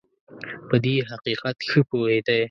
په دې حقیقت ښه پوهېدی.